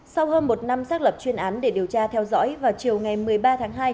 sau hơn một năm xác lập chuyên án để điều tra theo dõi vào chiều ngày một mươi ba tháng hai